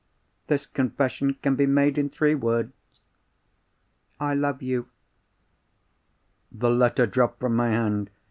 This confession can be made in three words. I love you." The letter dropped from my hand.